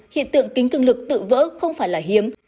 hiện tượng kính cực lực tự vỡ không phải là hiếm